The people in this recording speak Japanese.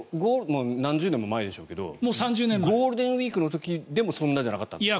何十年も前ですけどゴールデンウィークの時でもそんなじゃなかったんですか？